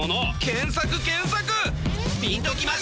検索検索！